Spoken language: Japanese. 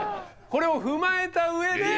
これを踏まえた上で。